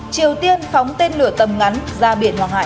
triều tiên phóng tên lửa tầm ngắn ra biển hoàng hải